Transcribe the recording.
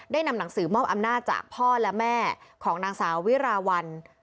นำหนังสือมอบอำนาจจากพ่อและแม่ของนางสาววิราวัล